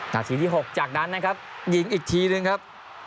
นาทีที่๖จากนั้นนะครับยิงอีกทีหนึ่งครับ